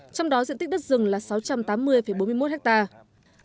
trong đó diện tích đất rừng là sáu trăm tám mươi bốn mươi một hectare